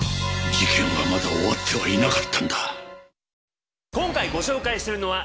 事件はまだ終わってはいなかったんだ。